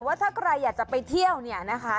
ว่าถ้าใครอยากจะไปเที่ยวเนี่ยนะคะ